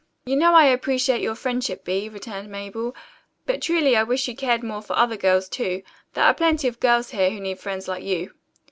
"You know I appreciate your friendship, Bee," returned Mabel, "but truly I wish you cared more for other girls, too. There are plenty of girls here who need friends like you."